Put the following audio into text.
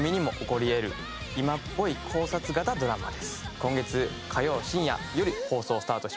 今月火曜深夜より放送スタートします。